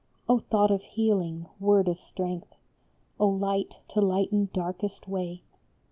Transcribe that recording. O thought of healing, word of strength ! O light to lighten darkest way